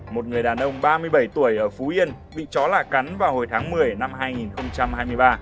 một người đàn ông ba mươi bảy tuổi ở phú yên bị chó lạ cắn vào hồi tháng một mươi năm hai nghìn hai mươi ba